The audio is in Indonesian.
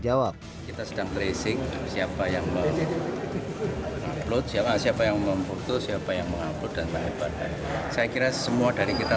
jawab kita sedang tracing siapa yang memutus siapa yang mengabut dan saya kira semua dari kita